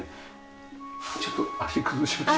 ちょっと足崩します。